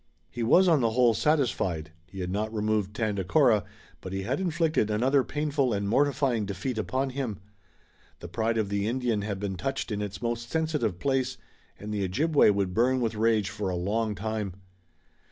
He was on the whole satisfied. He had not removed Tandakora, but he had inflicted another painful and mortifying defeat upon him. The pride of the Indian had been touched in its most sensitive place, and the Ojibway would burn with rage for a long time.